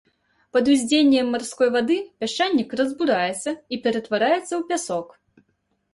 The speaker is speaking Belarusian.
Пад уздзеяннем марской вады пясчанік разбураецца і ператвараецца ў пясок.